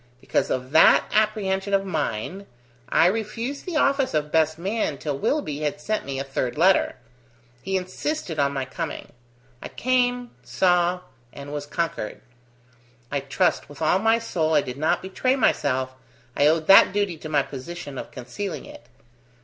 Because of that apprehension of mine, I refused the office of best man till Willoughby had sent me a third letter. He insisted on my coming. I came, saw, and was conquered. I trust with all my soul I did not betray myself, I owed that duty to my position of concealing it.